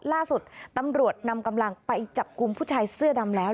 ล่าสุดตำรวจนำกำลังไปจับกลุ่มผู้ชายเสื้อดำแล้ว